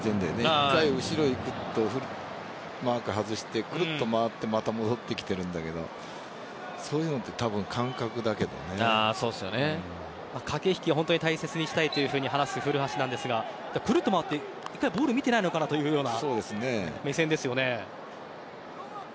１回、後ろにマークを外してくるっと回ってまた戻ってきているんだけどそういうのって駆け引きを本当に大切にしたいと話す古橋なんですがくるっと回って１回ボールを見ていないのかなというような目線ですよね。